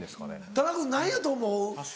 田中君何やと思う？